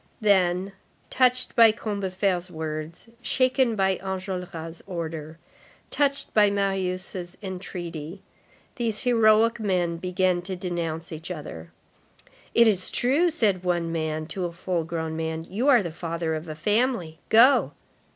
Then, touched by Combeferre's words, shaken by Enjolras' order, touched by Marius' entreaty, these heroic men began to denounce each other.—"It is true," said one young man to a full grown man, "you are the father of a family. Go."